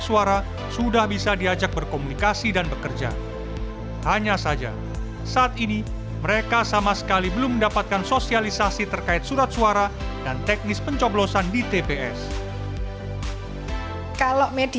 tidak semua penghuni liponsos masuk dpt